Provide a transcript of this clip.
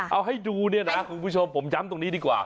เอาให้ดูเนี่ยนะคุณผู้ชมผมย้ำตรงนี้ดีกว่า